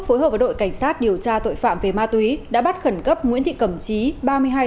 phối hợp với đội cảnh sát điều tra tội phạm về ma túy đã bắt khẩn cấp nguyễn thị cẩm trí